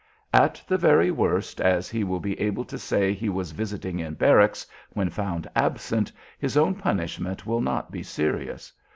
At the very worst, as he will be able to say he was "visiting in barracks" when found absent, his own punishment will not be serious.